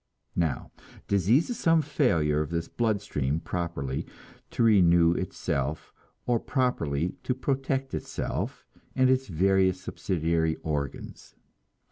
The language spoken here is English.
Now, disease is some failure of this blood stream properly to renew itself or properly to protect itself and its various subsidiary organs.